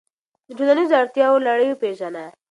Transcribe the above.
د ټولنیزو اړتیاوو لړۍ وپیژنه.